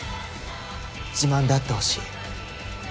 自慢であってほしい。